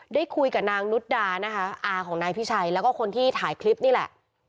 ได้คุยกับนางนุดดานะคะอาของนายพิชัยแล้วก็คนที่ถ่ายคลิปนี่แหละ